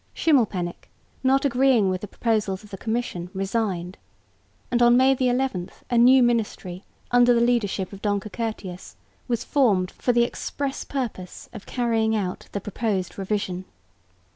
Schimmelpenninck, not agreeing with the proposals of the Commission, resigned; and on May 11 a new ministry under the leadership of Donker Curtius was formed for the express purpose of carrying out the proposed revision.